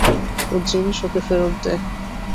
ওর জিনিস ওকে ফেরত দে।